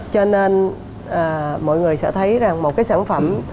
cho nên mọi người sẽ thấy rằng một cái sản phẩm